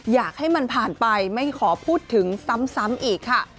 อยากให้มันผ่านไปไม่ขอพูดถึงซ้ำอีกค่ะ